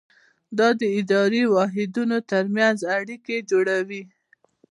دا د اداري واحدونو ترمنځ اړیکې جوړوي.